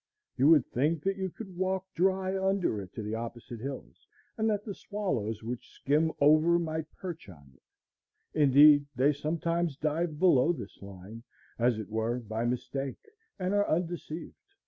You would think that you could walk dry under it to the opposite hills, and that the swallows which skim over might perch on it. Indeed, they sometimes dive below this line, as it were by mistake, and are undeceived.